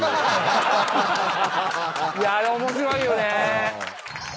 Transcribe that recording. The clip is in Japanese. あれ面白いよね。